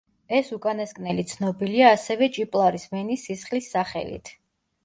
ეს უკანასკნელი ცნობილია ასევე ჭიპლარის ვენის სისხლის სახელით.